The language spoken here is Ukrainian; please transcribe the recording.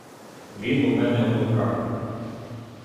Він у мене в руках.